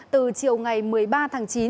từ chiều ngày một mươi ba tháng chín